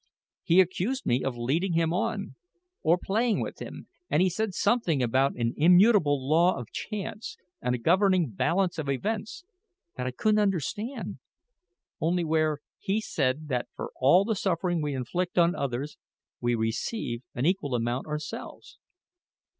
He accused me of leading him on, and playing with him; and he said something about an immutable law of chance, and a governing balance of events that I couldn't understand, only where he said that for all the suffering we inflict on others, we receive an equal amount ourselves.